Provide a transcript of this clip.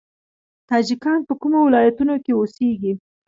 تاجکان په کومو ولایتونو کې اوسیږي؟